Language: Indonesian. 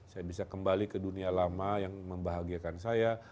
saya bisa kembali ke dunia lama yang membahagiakan saya